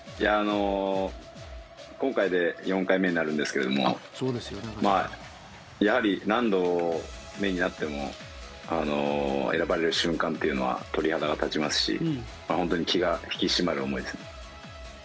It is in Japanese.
今回で４回目になるんですがやはり何度目になっても選ばれる瞬間というのは鳥肌が立ちますし、本当に気が引き締まる思いですね。